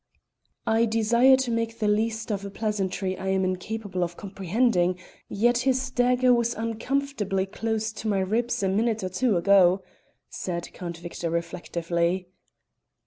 "I desire to make the least of a pleasantry I am incapable of comprehending, yet his dagger was uncomfortably close to my ribs a minute or two ago," sard Count Victor reflectively.